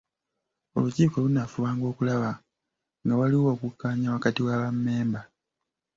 Olukiiko lunaafubanga okulaba nga waliwo okukkaanya wakati wa bammemba.